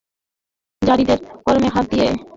যারীদের কোমরে হাত দিয়ে তাকে শক্তভাবে আঁকড়ে ধরি।